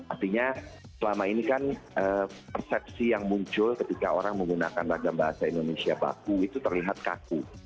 artinya selama ini kan persepsi yang muncul ketika orang menggunakan ragam bahasa indonesia baku itu terlihat kaku